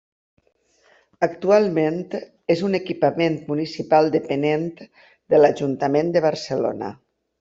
Actualment és un equipament municipal depenent de l'Ajuntament de Barcelona.